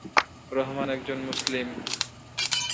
রহমান একজন মুসলিম।